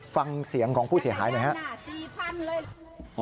ฟังเสียงของผู้เสียหายหน่อยฮะ